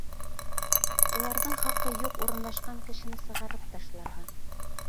Уларҙың хаҡы юҡ урынлашҡан кешене сығарып ташларға!